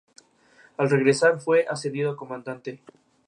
Actualmente es una Sociedad Anónima.